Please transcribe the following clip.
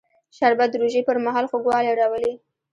شربت د روژې پر مهال خوږوالی راولي